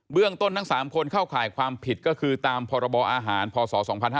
เรื่องต้นทั้ง๓คนเข้าข่ายความผิดก็คือตามพรบอาหารพศ๒๕๕๙